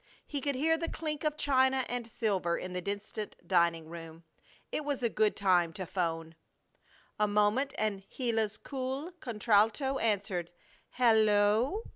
He could hear the clink of china and silver in the distant dining room. It was a good time to 'phone. A moment, and Gila's cool contralto answered: "Hel lo oo!"